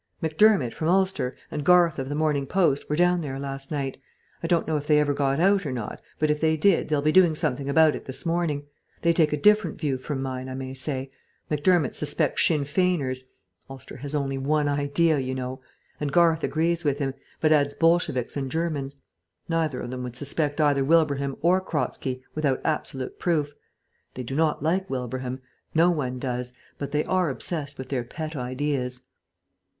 Macdermott, from Ulster, and Garth of the Morning Post, were down there last night. I don't know if they ever got out or not, but if they did they'll be doing something about it this morning. They take a different view from mine, I may say. Macdermott suspects Sinn Feiners (Ulster has only one idea, you know), and Garth agrees with him, but adds Bolsheviks and Germans. Neither of them would suspect either Wilbraham or Kratzky without absolute proof. They do not like Wilbraham. No one does. But they are obsessed with their pet ideas."